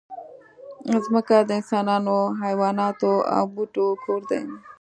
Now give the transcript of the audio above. مځکه د انسانانو، حیواناتو او بوټو کور دی.